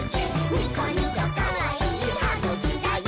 ニコニコかわいいはぐきだよ！」